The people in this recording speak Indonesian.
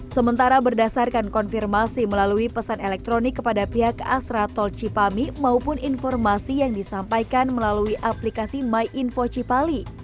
sementara berdasarkan konfirmasi melalui pesan elektronik kepada pihak astra tol cipami maupun informasi yang disampaikan melalui aplikasi my info cipali